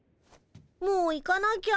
もう行かなきゃ。